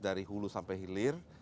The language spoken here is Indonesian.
dari hulu sampai hilir